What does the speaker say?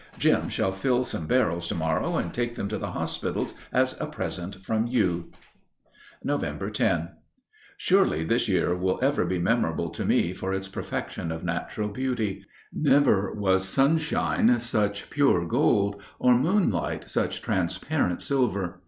Jim shall fill some barrels to morrow and take them to the hospitals as a present from you." Nov. 10. Surely this year will ever be memorable to me for its perfection of natural beauty. Never was sunshine such pure gold, or moonlight such transparent silver.